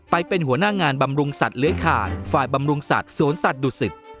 ไปเป็นหัวหน้างานบำรุงสัตว์เลื้อยข่ายฝ่ายบำรุงสัตว์สวนสัตว์ดุสิต